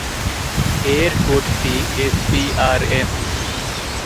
এর কোডটি এসবিআরএম।